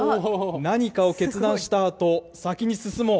何かを決断したあと、先に進もう。